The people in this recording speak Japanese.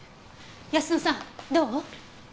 泰乃さんどう？